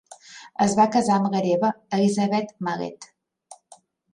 Es va casar amb l'hereva Elizabeth Malet.